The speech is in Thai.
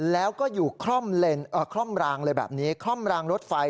แล้วก็อยู่คล่อมรางแบบนี้คล่อมรางรถไฟ